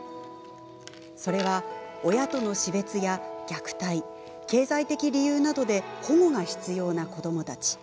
それは、親との死別や、虐待経済的理由などで保護が必要な子どもたち。